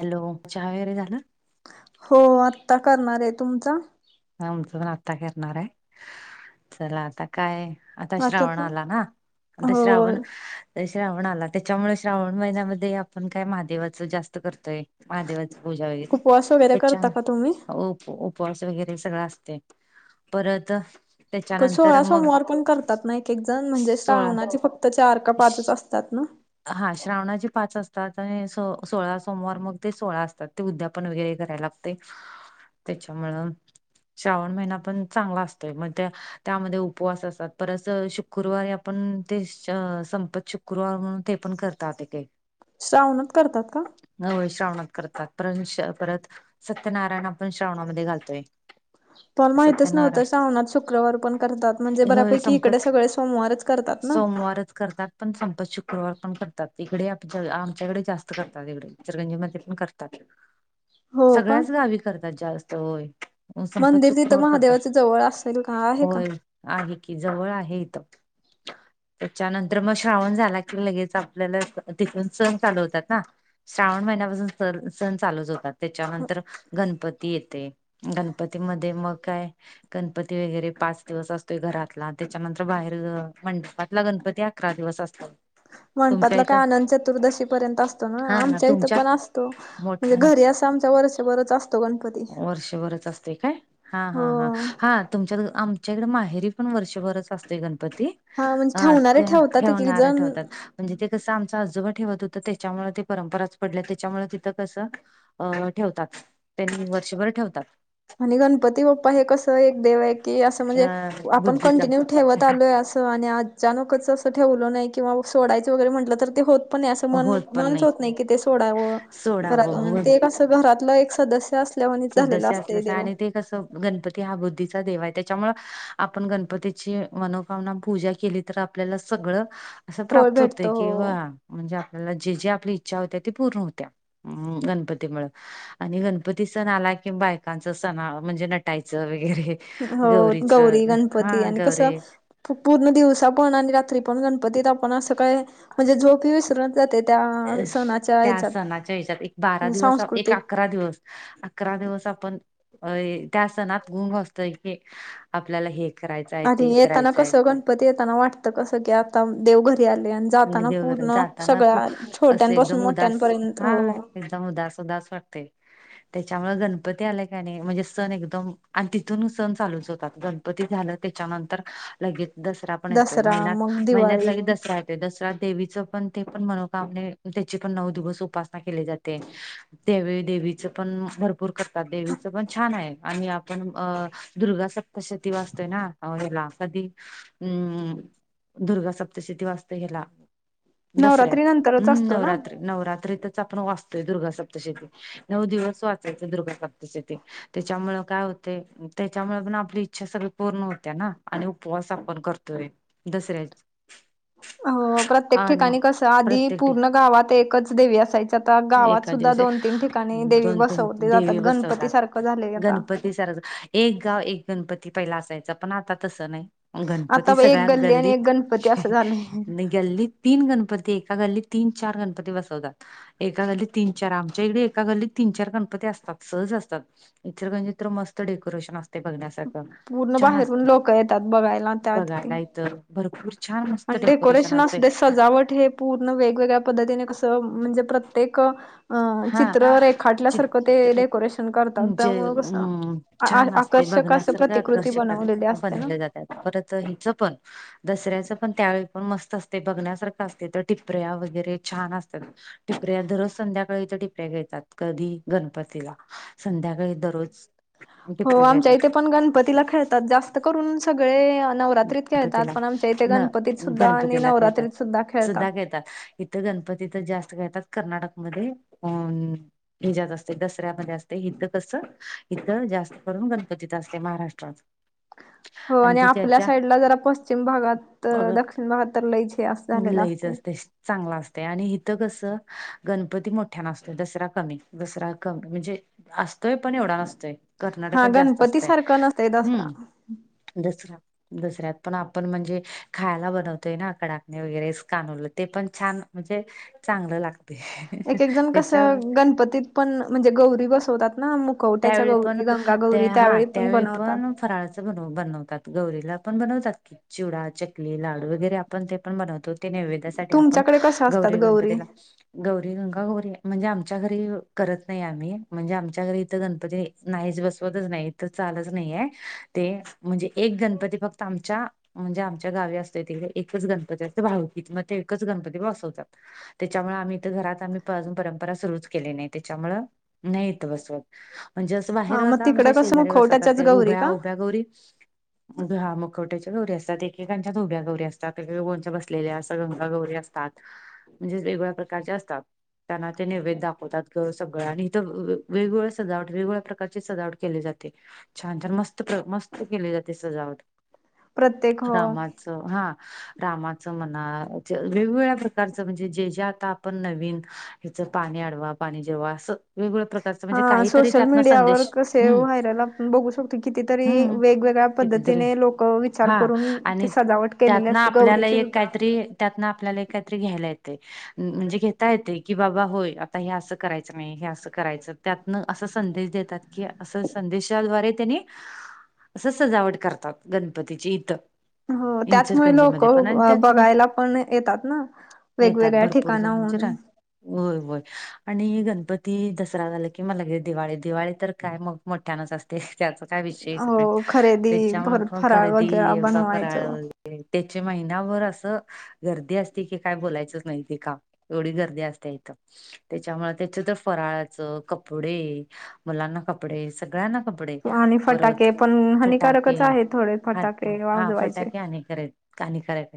Hello चहा वगैरे झाला. हो आत्ता करणारय तुमचा. हा आमचं पण आता करणार आय चला आता काय आता श्रावण वाक्यात आला ना आता हो श्रावण श्रावण आला त्याच्यामुळ श्रावण महिन्यामध्ये आपण काय महादेवाच जास्त करतोय महादेवा पूजा वगैरे उपवास वगैरे हे करता छान का तुम्ही उप उपवास वगैरे ते सगळं असते परत. पण त्याच्यानंतर सोळा मग सोमवार पण करतात ना एक एक जण म्हणजे सोळा श्रावणाची फक्त चार का पाचच असतात ना. हा श्रावणाचे पाच असतात आणि स सोळा सोमवार मग ते सोळा असतात ते उद्यापन वगैरे करायला लागतात. ते त्याच्यामुळं. श्रावण महिना पण चांगला असतोय मग त्या त्यामध्ये उपवास असतात परत शुक्रवारी आपण ते श संपत शु शुक्रवार म्हणून ते पण करतात ते काही श्रावणात करतात का? होय श्रावणात करतात परण श परत सत्यनारायण आपण श्रावणामध्ये घालतोय. [inaudible] पण माहितच नव्हत सत्यनारायण श्रवणात शुक्रवार पण करतात म्हणजे होय बऱ्यापैकी इकडे सगळे सोमवारच करतात ना. वारच करतात. पण संपत शुक्रवार पण करतात इकडे आमच्या आमच्याकडे जास्त करतात इकडे इंचलकरंजीमध्ये पण करतात. हो का सगळ्याच गावी करतात जास्त होय. संपत मंदिर तिथं शुक्रवार करतात महादेवाच जवळ असेल का आहे का. होय आहे कि जवळ आहे इथ. त्याच्यानंतर मग श्रावण झाला की लगेच आपल्याला तिथून सण चालू होतात ना. श्रावण महिन्यापासून स सण चालूच होतात त्याच्यानंतर गणपती येतेय गण गणपतीमध्ये मग काय? गणपती वगैरे पाच दिवस असतोय घरातला त्याच्यानंतर बाहेर मंडपातला गणपती अकरा दिवस असतो तुमच्या मंडपातला काय इथं आनंद चतुर्दशी पर्यंत असतो ना हा आमच्या इथं तुमच्यात पण असतो. म्हणजे मोठ्यानं घरी असं आमच्या वर्ष बरच असतो. तो गणपती. वर्षभरच असतोय काय हा हा हा हो हा तुमच्यात आम च्याकडे माहेरी पण वर्षभरच असतय गणपती हा म्हणजे अ ठेवणारे ते ठेवतात एक एक ठेवणार जण ठेवतात. म्हणजे ते कसं आमचा आजोबा ठेवत होतं त्याच्यामुळ ते परंपराच पडल्या त्याच्यामुळ तिथं कसं अ ठेवतात त्यांनी वर्षभर ठेवतात. आणि गणपती बाप्पा हे कसं एक देव आहे की असं म्हणजे अ आपण बुद्धीचा कंटिन्यू ठेवत आलोय असं आणि आज - अचानकच असं ठेवलं नाही किंवा सोडायं वगैरे म्हटलं तर ते होत पण नाही अस मण होत पण मणच होत नाही क ते सोडावं सोडा घरातून ते एक अस घरातलं एक सदस्य अस सदस्य असल्याच आणि, ते कसं गणपती हा बुद्धीचा देव आहे. त्यांच्यामुळे आपण गणपतीची मनोभावना पूजा केली. तर आपल्याला सगळं असं फळ प्राप्त होत भेटतो हो किंवा, म्हणजे, आपल्याला जे जे आपली इच्छा होत्या. ती पूर्ण होत्या गणपती मुळं. आणि गणपती सण आला की, बायकांचा सण म्हणजे नटायचं वगैरे. हो. गौरीचं गौरी गणपती हा आणि कसं, गौरी पूर्ण दिवसा पण आणि रात्री पण, गणपतीत आपण असं काय म्हणजे झोप हे विसरून जातेय. अं.. त्या सणाच्या विचा, एक बारा दिवस एक सांस्कृतिक अकरा दिवस. अकरा दिवस आपण अ- त्या सणात गुण वाचतोय की, आपल्याला हे करायचं, आहे ते करायचंय. पण येताना वाटत कसं की, आता देवघरी आले. आण मग जाताना देवघरात पूर्ण जाताना सगळ्या, खूप असं छोट्यांनपासून एकदम उदास मोठ्यांनपर्यंत हा हो. एकदम उदास उदास वाटते. तेच्यामुळे गणपती आलाय कणी म्हणजे, सण एकदम आणि तिथून सण चालूच होतात. गणप पती झालं त्याच्यानंतर लगेच, दसरा पण येतोय. दसरा मग महिन्यात महिन्यात दिवाळी लगेच दसरा येतोय. दसरा देवीच पण ते पण, मनोकामने त्याची पण नऊ दिवस उपासना केली जाते‌ त्यावेळी देवीचं पण, भरपूर कर देवीच पण छान आहे. आणि आपण अ -दुर्गा सप्तशती वाचतोय ना हेला कधी, हम्म.. दुर्गा सप्तशती वाचतो हिला. नवरात्री दसऱ्यात नंतरच हम्म.. असतो ना नवरात्री नवरात्रीतच आपण वाचतोय दुर्गा सप्तशती. नऊ दिवस वाचायचं. दुर्गा सप्तशती तेच्यामुळं काय होते, त्यांच्यामुळे पण आपली इच्छा सगळी, पूर्ण होत्या ना. आणि उपवास आपण करतोय दसऱ्याची. हो, प्रत्येक ठिकाणी कसं आधी प्रत्येक ठिक पूर्ण गावात एकच देवी असायच्यात. आता गावात एका सुद्धा दिवस दोन तीन ठिकाणी देवी दोन तीन बसवते देवी जातात बसवतात गणपती सारखं झाले आता. गणपती एक गाव एक गणपती पहिला असायचा, पण आता तसं नाही. आता गणपती एक सगळ्या गल्ली आणि एक गल्लीत, गणपती असं झाले आणि गल्लीत तीन गणपती एका गल्ली, तीन चार गणपती बसवतात. एका गल्लीत तीन चार आमच्या इकडे, एका गल्लीत तीन चार गणपती असतात सहज असतात. इचलकरंजी तर मस्त डेकोेरेशन असतं. ते बघण्यासारखं पूर्ण छान बाहेरून असतंय, लोक येतात बघायला बघायला इथं भरपूर छान असते. पण डेकोरेशन डेकोरेशनस असूदे सजावट हे, पूर्ण वेगवेगळ्या पद्धतीने कसं, म्हणजे प्रत्येक अ हा -चित्र रेखाटल्यासारखं ते चित्र डेकोरेशन करतात. जे त्यामुळं कसं, अम छान असते आकर्षक अस बघण्यासारखं प्रतिकृती आकर्षक बनवलेली असते ना, बनवले परत हिच पण, दसऱ्याचं पण त्यावेळी पण मस्त असते. बघण्यासारखं असते तर टिपऱ्या वगैरे छान असतात. टिपऱ्या दररोज संध्याका कळी तर टिपऱ्या खेळतात. कधी गणपतीला संध्याकाळी दररोज. हो, टिपऱ्या आमच्या घेतात इथे पण गणपतीला खेळतात. जास्त करून सगळे नवरात त्रीत खेळतात, गणपतीला पण आमच्या इथे न गणपतीत सुद्धा आणि नवरात्रीत सुद्धा खेळतात. येतात. इथं गणपती तच जास्त खेळतात. कर्नाटकमध्ये अं हिच्या यात असते दसऱ्यामध्ये असते. इथं कसं इथं जास्त करून गणपतीत असते महाराष्ट्रात. हो आणि ती आपल्या त्याच्या साईडला जरा प पश्चिम भागात तर दक्षिण भागात तर लईच असं झालेला असते. ते चांगल असतंय, आणि इथं कसं, गणपती मोठ्यान असतोय, दसरा कमी. दसरा कमी, म्हणजे, असतोय पण एवढा नसतोय. हा कर्नाटकात जास्त गणपती असतय, सारखं नसतय दसरा हम्म,, दसरा दसऱ्यात. पण आपण म्हणजे खायला बनवतोय ना, कडाकणी वगैरे कानूल ते पण छान म्हणजे, चांगलं लागतं. एक एक जण कस गणपतीत पण म्हणजे गौरी बसवतात ना मुखवट्याच्या त्यावेळी पण गौरी गंगा गौरी त्या हा पण त्यावेळी बनवतात पण फराळ बनवतात गौरीला पण बनवतात की चिवडा चकली लाडू वगैरे आपण ते पण बनवतो ते नैवेद्यासाठी आपण,, तुमच्याकडे कशा असतात गौरी गणपतीलाऽ गौरी, गंगा गौरी, म्हणजे आमच्या घरी करत नाही आम्ही,, म्हणजे आमच्या घरीऽ गणपती, नाही बसवतच नाही,, तर चालतच नाहीय,, ते म्हणजे एक गणपती फक्तऽ आमच्याऽ म्हणजे आमच्या गावी असतय, तिकडे एकच गणपती असतोय,, भाऊकीत मग ते एकच गणपती बसवतात. त्याच्यामुळे आम्ही ईथ घरात, आम्ही अजून परंपरा सुरुच केली नाही, त्याच्यामुळ नाहीच बसवत. म्हणजे असं बाहेर, हा मग आता आमच्या तिकडे कसं शेजारी बसतात, मुखवट्याच्याच त्या गौरी उभ्या, का उभ्या गौरी. घ, हा,, मुखवट्याच्या गौरी असतात,, एकेकांच्या ऊब्या गौरी असतात, एक काननच्या बसलेल्या असत्यात, गंगा गौरी असतात. तात,, म्हणजेच वेगवेगळ्या प्रकारचे असतात. त्यांना ते नैव्द दाखवतात सगळं,,, आणि इथं वेगवेगळंऽ सजावट वेगवेगळ्या प्रकारची सजावट केली जाते,, छान छान मस्त, मस्त केली जाते सजावट. प्रत्येक हो रामाच हां,, रामाचं म्हणा,, वेगवेगळ्या प्रकारच म्हणजे,, जे जे आता आपण नवीनऽ हच पाणी अडवा पाणी जिरवा असं,, वेगवेगळ्या प्रकारच. हा, सोशल मीडियावर कसे व्हायरल आपण बघू शकतोय,, कितीतरी हम्म वेगवेगळ्या कितीतरी पद्धतीने लोकऽ कं,, विचार हा करून आणि ती सजावट केलेली असते,, गौरीची सुद्धाऽ त्यातन आपल्याला एक काहीतरी घ्यायला येतय. म्हणजे घेता येतय,, की बाबा होय आता हे असं करायचं नाही,, हे असं करायचं. त्यातन असा संदेश देतात की,, असं संदेशाद्वारे त्यांनीऽ असं सजावट करतात,, गणपतीची इथंऽ हा,, त्याचमुळे लोक त्याच बघायला पण येतात ना. येतात वेगवेगळ्या भरपूर जणांचे ठिकाणाहून. रान होय होय, आणि गणपती दसरा झाला की म लगेच दिवाळी,, दिवाळी तर काय मगऽ मोठ्यानच असतेय,, त्याचा काय विषयच नाही, हो खरेदी त्याच्यामुळे परत पण फराळ वगैरे खरेदी बा बनवायचं फराळऽ त्याचे महिनाभर असंऽ गर्दी असते की काय बोलायचंच नाही ते काम,, एवढी गर्दी असत्या इथं. त्याच्यामुळे त्याच तर फराळाचं, कपडे, मुलांना ऽ कपडे,, सगळ्यांना कपडे, आणि परत फटाके पण हानिकारकच फटाकेऽ आहे थोडे हा फटाके हा,, वाजवायचे. फटाके आणि करायच. काणी करायच,,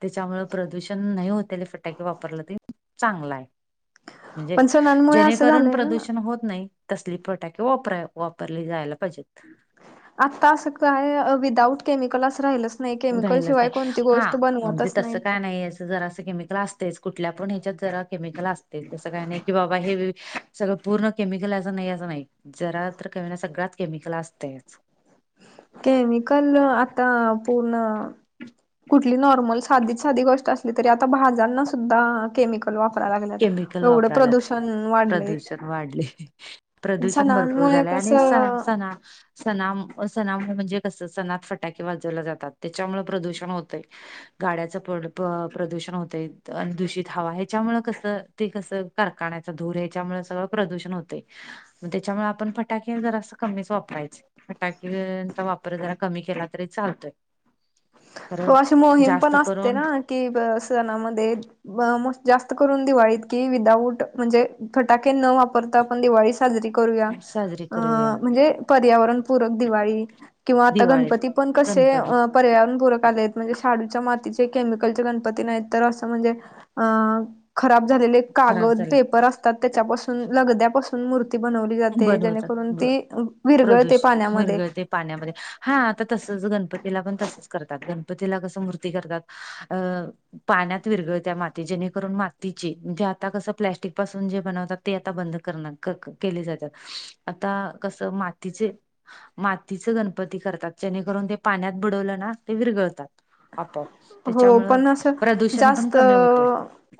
त्याच्यामुळ प्रदूषण नाही होत्याली फटाके वापरला तेऽ चांगल आय,, म्हणजे,, पण सणांमुळे असं जेणेकरून झालंय ना. प्रदूषण होतऽ नाही,, तसली पटाके वापरा, वापरली जायला पाहिजेत. आता असं काय, अं,, विदाउट केमिकल असं राहिलऽ नाही, केमिकल राहिलच शिवाय नाही कोणती हा गोष्ट म्हणजे बनवतच तसं नाही. काय याचं जरा अस केमिकल असतयच,, कुठल्या पण ह्याच्यात जरा केमिकल असतयच,, तसं काही नाही की बाबा हेऽ सगळं पूर्ण केमिकल असं नाही,, असं नाही जरा तर का ऊना सगळ्याच केमिकल असतयच. केमिकल, आता पूर्णऽ कुठली नॉर्मल, साधीच साधी गोष्ट असली तरी, आता भाजांना सुद्धा केमिकलऽ केमिकल वापराल्यात,, वाढलंय प्रदूषण वाढलयऽ प्रदूषण भरपूर सणांमुळे झालेय,,, आणि स कसं सणाऽ सणा सणामुळे म्हणजे कस सणात फटाके वाजवले जातात,, त्याच्यामुळे प्रदूषण होतय. गाड्याचं प प्रदूषण होतय,, आणि दूषित हवा ह्याच्यामुळे कसऽ हम,, ते कस, कारखान्याच धुर याच्यामुळे सगळं प्रदूषण होतय. मग त्याच्यामुळे आपण फटाके जरा अस कमीच वापरायचं. फटाकेचा वापर जरा कमी केला तरी चालतोय व खरं अशी मोहीम पण जास्त असते करून ना,, कि स सणामध्येऽ स् जास्त करून दिवाळीत, कि विदाऊट म्हणजे फटाके न वापरता आपण दिवाळीऽ साजरी करूया. साजरी अ करूया म्हणजे पर्यावरणपूरक, दिवाळी किंवा आता दिवाळी, गणपती पण कस गणपती पर्यावरणपूरक म्हणजे शाडूच्या मातीचे केमिकलच्या गणपती नाहीत तर असं म्हणजे अ खराब झालेले खराब कागद झाले पेपर असतात. त्याच्यापासून लगद्यापासून मूर् बनवली जाते. बनवतात जेणेकरून ती विरगळते प्रदूष पाण्यामध्ये विरघळते पाण्यामध्ये हा आता तसच गणपतीला पण तसच करतात. गणपतीला कसं मूर्ती करतात. अं. पाण्यात विरगळत्या माती जेणेकरून मातीची जे आता कसं प्लॅस्टिक पासून जे बनवतात. ते आता बंद करणार केले जातात. आता कसं मातीचे मातीच गणपती करतात. जेणेकरून ते पाण्यात बडवलं ना ते विरगळतात. आपोआप हो त्याच्यामुंळ पण असं प्रदूषण पण जास्त कमी होते.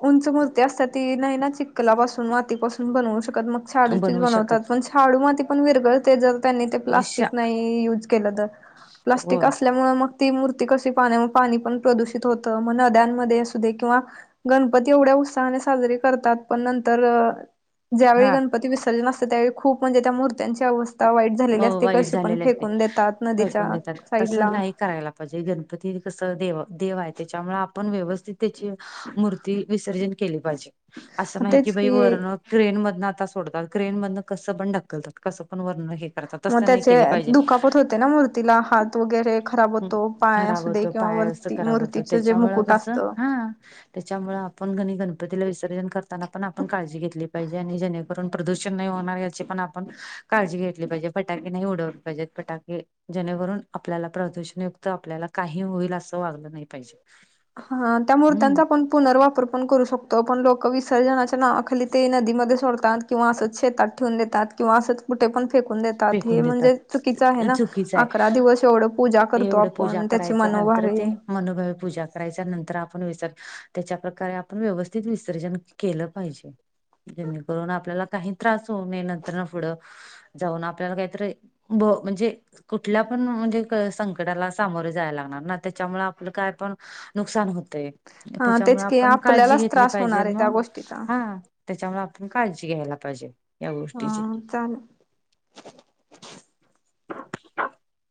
उंच मूर्ती असतात ती नाही ना, चिक्कलापासून मातीपासून बनवू शकत मग छाडूचीच बनवू बनवतात. शकत पण शाडू माती पण विरगळते ज त्यांनी ते श प्लास्टिक नाही युज केल तर, प्लास्टिक होय असल्यामुळे ती मूर्ती कशी पाण्या पाणी पण प्रदूषित होत मग नद्यांमध्ये असू दे, किंवा गणपती एवढ्या उत्साहाने साजरीे करतात. पण नंतर ज्यावेळी हा गणपती विसर्जन असते, त्यावेळी खूप म्हणजे त्या मूर्त्यांची अवस्था वाईट झालेली असते, वाईट कशी पण झालेले असते फेकून देतात. नदीच्या साईड ला म्हणजे गणपती कस दे देव आहे. त्याच्यामुळे आपण व्यवस्थित त्याची मूर् विसर्जन केले पाहिजे, असं नाही की वर्ण ग्रेन मधनं आता सोडतात. ग्रेन मधन कसं पण ढकलतात. कसं पण वर्ण हे करतात तस मग नाही त्याचे केल पाहिजे. दुखापत होते ना मूर्तीला हात वगैरे खराब होतो पाय खराब असू होत दे किंवा पाय असं वरती खराब होत मूर्तीचं जे त्याच्यामुळे मुकुट कस असतं हा त्याच्यामुळे आपण गणपतीला विसर्जन करताना पण आपण काळजी घेतली पाहिजे. आणि ज प्रदूषण नाही होणार याची पण आपण काळजी घेतली पाहिजे फटाके नाही उडवले पाहिजेत फटाके जेणेवरून आपल्याला प्रदूषणयुक्त आपल्याला काही होईल असं वागलं नाही पाहिजे. हा त्या हम्म मूर्त्यांचा आपण पुनर्वापर पण करू शकतो पण लोक विसर्जनाच्या नावाखाली ते नदीमध्ये सोडतात. किवां असच शेतात ठेवून देतात किवां असचं कुठे पण फेकून देतात हे फेकून देतात म्हणजे चुकीचं आहे ना चुकीचं आहे अकरा दिवस एवढं पूजा करतो. एवढं पूजा कोण त्याची करायचं नंतर मनोभावे ते मनोभावी पूजा करायच्या नंतर आपण विस, त्याच्या प्रकारे आपण व्यवस्थित विसर्जन केलं पाहिजे. जेणेकरून आपल्याला काही त्रास होऊ नये, नंतर न पुढं जाऊन आपण आपल्याला काहीतरी भो म्हणजे कुठल्या पण म्हणजे संकटाला सामोरे जायला लागणार ना, त्याच्यामुळे आपलं काय पण नुकसान होते हा त्याच्यामुळ तेच की आपण काळजी आपल्यालाच घेतली त्रास पाहिजे होणार आहे त्या मग गोष्टीचा हा त्याच्यामुळे आपण काळजी घ्यायला पाहिजे. या हा गोष्टीची चाल. [inaudible]